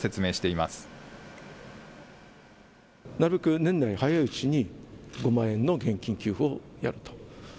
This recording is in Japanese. なるべく年内の早いうちに、５万円の現金給付をやると。